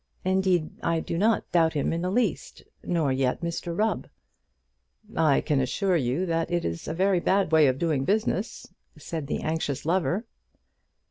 Indeed, I do not doubt him in the least nor yet Mr Rubb." "I can assure you that it is a very bad way of doing business," said the anxious lover.